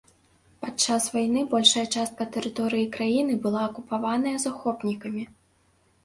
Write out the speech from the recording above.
Падчас вайны большая частка тэрыторыі краіны была акупаваная захопнікамі.